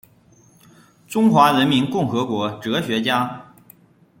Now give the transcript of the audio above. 中华人民共和国哲学家。